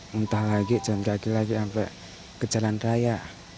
muntah lagi jalan kaki lagi sampai ke jalan raya